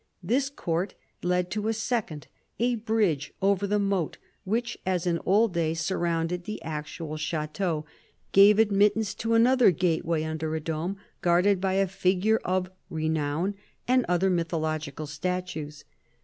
This court led to a second ; a bridge over the moat which, as in old days, surrounded the actual chateau, gave admittance to another gateway under a dome, guarded by a figure of Renown and other mythological statues.